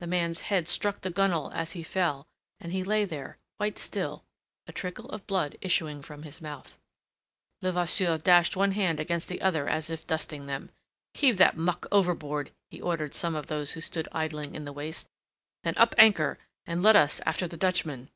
The man's head struck the gunwale as he fell, and he lay there, quite still, a trickle of blood issuing from his mouth. Levasseur dashed one hand against the other, as if dusting them. "Heave that muck overboard," he ordered some of those who stood idling in the waist. "Then up anchor, and let us after the Dutchman."